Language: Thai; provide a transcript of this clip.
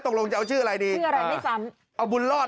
มันต้องได้ชื่อบุญรอด